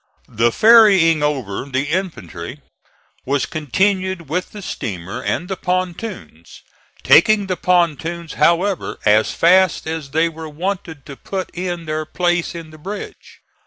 The ferrying over the infantry was continued with the steamer and the pontoons, taking the pontoons, however, as fast as they were wanted to put in their place in the bridge.